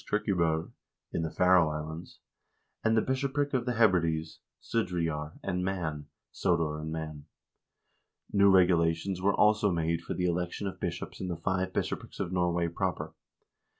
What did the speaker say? Kirkjuboer) in the Faroe Islands,1 and the bishopric of the Hebrides (Sudreyjar) and Man (Sodor and Man). New regulations were also made for the election of bishops in the five bishoprics of Norway proper.